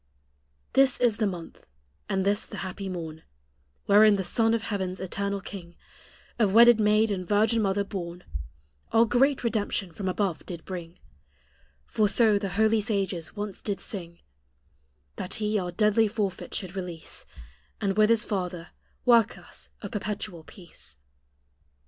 This is the month, and this the happy morn, Wherein the Son of heaven's eternal king, Of wedded maid and virgin mother born, Our great redemption from above did bring For so the holy sages once did sing That He our deadly forfeit should release, And with His Father work us a perpetual peace.